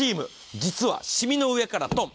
実は染みの上からトン。